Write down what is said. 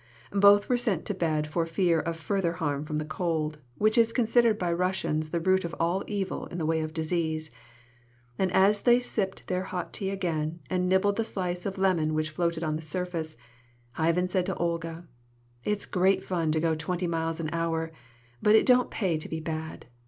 Both were sent to bed for fear of further harm from the cold, which is considered by Russians the root of all evil in the way of disease; and as they sipped their hot tea again, and nibbled the slice of lemon which floated on the surface, Ivan said to Olga: "It is great fun to go twenty miles an hour, but it don't pay to be bad.